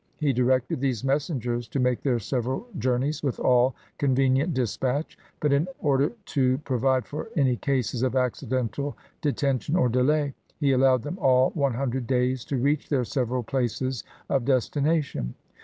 He directed these messengers to make their several jour neys with all convenient dispatch; but, in order to pro vide for any cases of accidental detention or delay, he allowed them all one hundred days to reach their several places of destination.